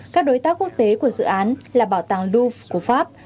các đối tác quốc tế của dự án là bảo tàng duf của pháp